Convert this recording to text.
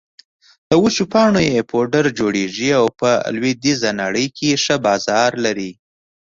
له وچو پاڼو يې پوډر جوړېږي او په لویدېزه نړۍ کې ښه بازار لري